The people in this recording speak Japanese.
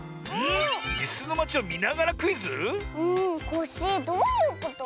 「いすのまち」をみながらクイズ⁉コッシーどういうこと？